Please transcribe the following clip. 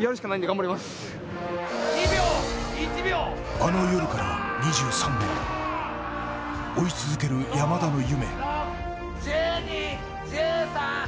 あの夜から２３年、追い続ける山田の夢。